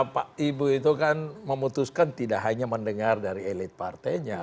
pak ibu itu kan memutuskan tidak hanya mendengar dari elit partainya